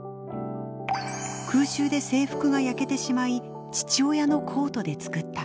「空襲で制服が焼けてしまい父親のコートで作った」。